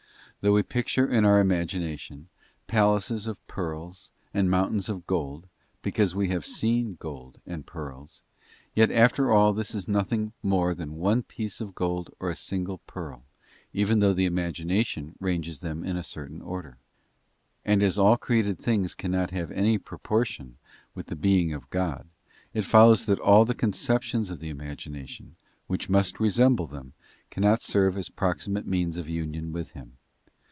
Though we picture in our imagination palaces of pearls and mountains of gold, because we have seen gold and pearls, yet after all this is nothing more than one piece of gold or a single pearl, even though the imagination ranges them in a certain order. And as all created things cannot have any proportion with the Being of God, it follows that all the conceptions of the imagination, which must resemble them, cannot serve as proximate means of union with Him.